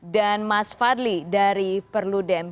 mas fadli dari perludem